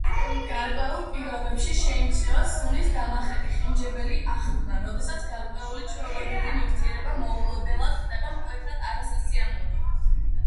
გარკვეულ პირობებში შეიმჩნევა სუნის დამახინჯებული აღქმა, როდესაც გარკვეული, ჩვეულებრივი ნივთიერება მოულოდნელად ხდება მკვეთრად არასასიამოვნო.